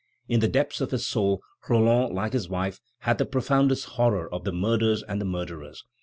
In the depths of his soul Roland, like his wife, had the profoundest horror of the murders and the murderers.